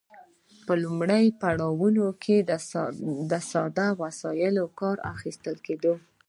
په لومړیو پړاوونو کې له ساده وسایلو کار اخیستل کیده.